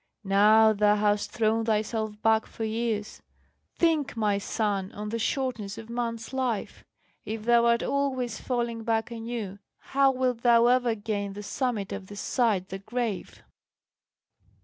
Now thou hast thrown thyself back for years. Think, my son, on the shortness of man's life; if thou art always falling back anew, how wilt thou ever gain the summit on this side the grave?"